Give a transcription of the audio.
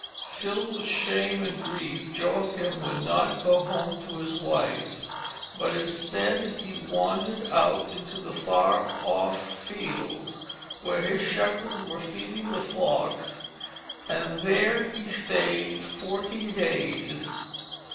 Filled with shame and grief Joachim would not go home to his wife, but instead he wandered out into the far of fields where his shepherds were feeding the flocks, and there he stayed forty days.